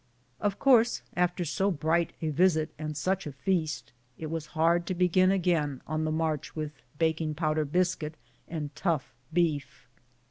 Of course, after so bright a visit and such a feast, it was hard to begin again on the march with baking powder biscuit and tough beef.